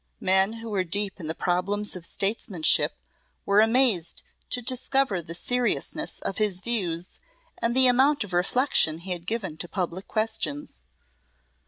Men who were deep in the problems of statesmanship were amazed to discover the seriousness of his views and the amount of reflection he had given to public questions.